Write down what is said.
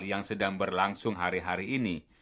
yang sedang berlangsung hari hari ini